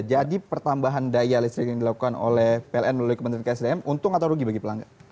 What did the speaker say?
jadi pertambahan daya listrik yang dilakukan oleh pln melalui kementerian ksdm untung atau rugi bagi pelanggan